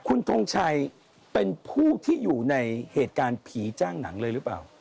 คุณทงชัยเป็นผู้ที่อยู่ในเหตุการณ์ผีจ้างหนังเลยหรือเปล่า